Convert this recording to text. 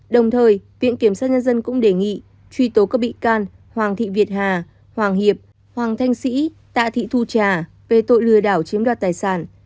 đồng thời viện kiểm sát nhân dân cũng đề nghị truy tố các bị can hoàng thị việt hà hoàng hiệp hoàng thanh sĩ tạ thị thu trà về tội lừa đảo chiếm đoạt tài sản